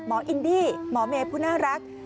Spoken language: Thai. หมออินดี้หมอเมพูดน่ารัก